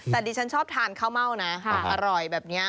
แต่ดิฉันชอบทานข้าวเม่านะของอร่อยแบบนี้